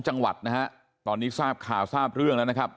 จังหวัดนะฮะตอนนี้รู้สึกรู้สึกคร